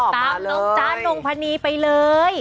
ตามน้องจ๊ะนงพนีไปเลย